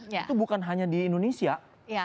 itu bukan hanya di indonesia